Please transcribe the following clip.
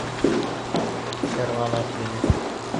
— Ярғанат йөнө.